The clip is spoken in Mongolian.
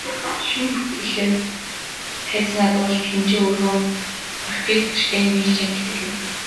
Шинэ бүтээл тайзнаа дуулалт, хэмжээ, хөдөлгөөн, оркестертэй нийлж амилдаг юм.